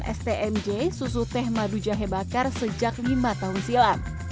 stmj susu teh madu jahe bakar sejak lima tahun silam